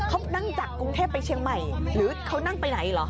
เขานั่งจากกรุงเทพไปเชียงใหม่หรือเขานั่งไปไหนเหรอ